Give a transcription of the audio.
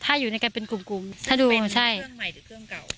ถ้าอยู่ในกันเป็นกลุ่มกลุ่มถ้าดูใช่เครื่องใหม่หรือเครื่องเก่า